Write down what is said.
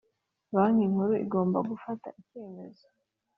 Banki Nkuru igomba gufata icyemezo.